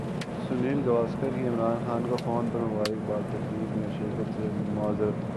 سنیل گواسکر کی عمران خان کو فون پر مبارکبادتقریب میں شرکت سے معذرت